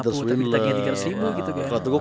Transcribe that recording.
tapi ditagihnya tiga ratus ribu gitu kan